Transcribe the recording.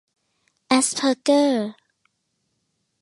แอสเพอร์เกอร์